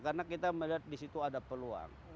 karena kita melihat di situ ada peluang